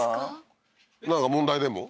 なんか問題でも？